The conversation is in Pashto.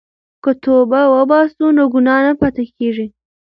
که توبه وباسو نو ګناه نه پاتې کیږي.